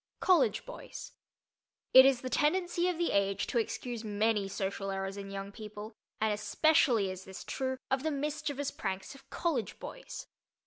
_ COLLEGE BOYS It is the tendency of the age to excuse many social errors in young people, and especially is this true of the mischievous pranks of college boys.